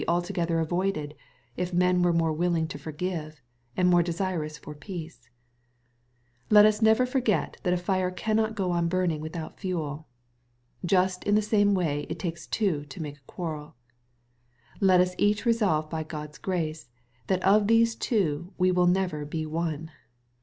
altogether avoided, if men were more willing to forgive, and more desirous for peace ! Let us never forget that a fire cannot go on burning without fuel. Just in the same way it takes two to make a quarrel. Let us each resolve by Q od's grace, that of these two we will never be one.